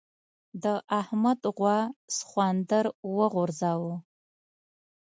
د احمد غوا سخوندر وغورځاوو.